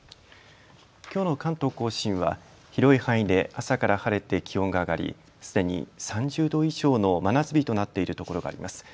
きょうの関東甲信は広い範囲で朝から晴れて気温が上がりすでに３０度以上の真夏日となっているところがあります。